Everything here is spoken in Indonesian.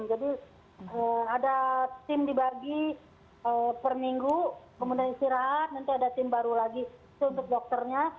jadi ada tim dibagi per minggu kemudian istirahat nanti ada tim baru lagi itu untuk dokternya